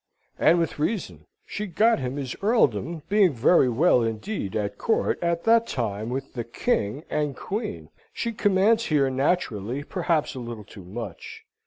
And with reason. She got him his earldom, being very well indeed at Court at that time with the King and Queen. She commands here naturally, perhaps a little too much.